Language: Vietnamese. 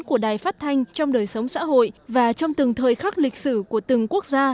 của đài phát thanh trong đời sống xã hội và trong từng thời khắc lịch sử của từng quốc gia